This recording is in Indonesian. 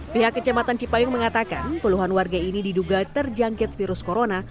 pihak kecamatan cipayung mengatakan puluhan warga ini diduga terjangkit virus corona